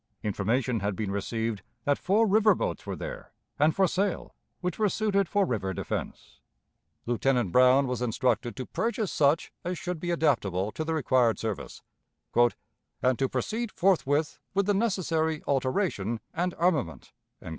Information had been received that four river boats were there, and for sale, which were suited for river defense. Lieutenant Brown was instructed to purchase such as should be adaptable to the required service, "and to proceed forthwith with the necessary alteration and armament."